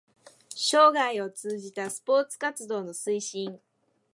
生涯を通じたスポーツ活動の推進